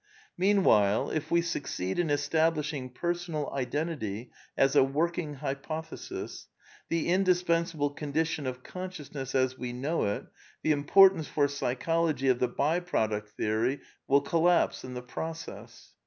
Meanwhile, if we succeed in establishing personal identity as a working hypothesis, the indispensable con dition of consciousness as we know it, the importance (for Psychology) of the by product theory will collapse in the process.